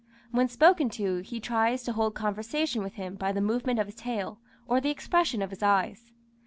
When spoken to, he tries to hold conversation with him by the movement of his tail or the expression of his eyes.